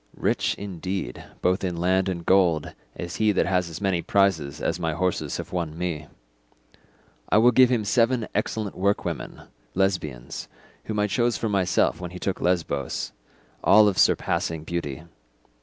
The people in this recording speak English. Rich, indeed, both in land and gold is he that has as many prizes as my horses have won me. I will give him seven excellent workwomen, Lesbians, whom I chose for myself when he took Lesbos—all of surpassing beauty.